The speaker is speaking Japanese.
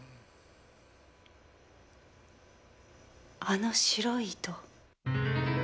あの白い糸。